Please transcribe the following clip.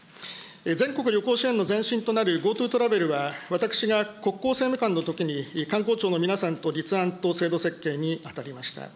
全国旅行支援の前身となるＧｏＴｏトラベルは私が国交政務官のときに観光庁の皆さんと立案と制度設計に当たりました。